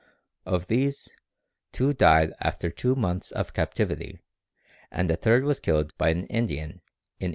Of these, two died after two months of captivity and a third was killed by an Indian in 1885.